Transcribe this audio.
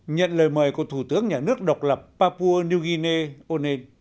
nhận lời mời của thủ tướng nhà nước độc lập papua new guinea onen